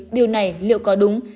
điều này liệu có đúng